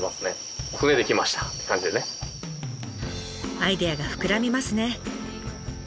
アイデアが膨らみますね。